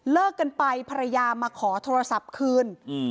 กันไปภรรยามาขอโทรศัพท์คืน